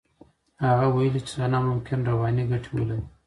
هغه ویلي چې سونا ممکن رواني ګټې ولري.